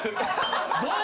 どう？